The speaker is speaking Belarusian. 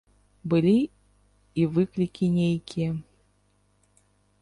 Былі і выклікі нейкія.